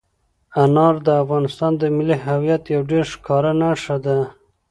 انار د افغانستان د ملي هویت یوه ډېره ښکاره نښه ده.